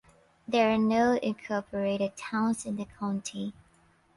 There are no incorporated towns in the county.